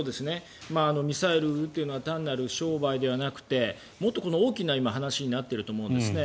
ミサイルというのは単なる商売ではなくてもっと大きな話になっていると思うんですね。